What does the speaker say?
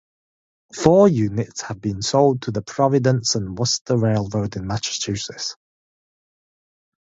Four units have been sold to the Providence and Worcester Railroad in Massachusetts.